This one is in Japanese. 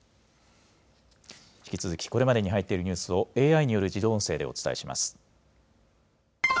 引き続き、これまでに入っているニュースをＡＩによる自動音声でお伝えしま